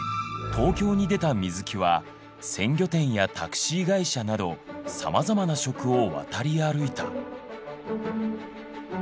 東京に出た水木は鮮魚店やタクシー会社などさまざまな職を渡り歩いた。